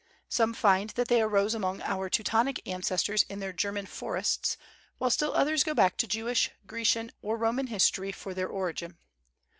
Some find that they arose among our Teutonic ancestors in their German forests, while still others go back to Jewish, Grecian, and Roman history for their origin.